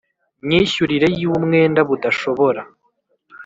myishyurire y umwenda budashobora